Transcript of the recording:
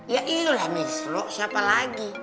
ya iya lah miss lo siapa lagi